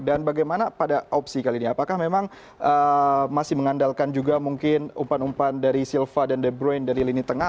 dan bagaimana pada opsi kali ini apakah memang masih mengandalkan juga mungkin umpan umpan dari silva dan de bruyne dari lini tengah